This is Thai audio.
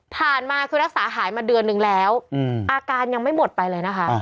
มาคือรักษาหายมาเดือนนึงแล้วอาการยังไม่หมดไปเลยนะคะ